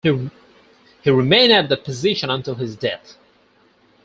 He remained at that position until his death.